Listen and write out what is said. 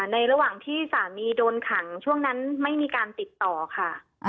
ในระหว่างที่สามีโดนขังช่วงนั้นไม่มีการติดต่อค่ะ